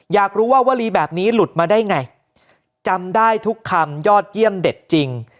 อยากรู้ว่าวลีแบบนี้หลุดมาได้ไงจำได้ทุกคำยอดเยี่ยมเด็ดจริง